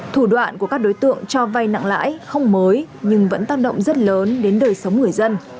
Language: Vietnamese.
thủ đoạn của các đối tượng cho vay nặng lãi không mới nhưng vẫn tác động rất lớn đến đời sống người dân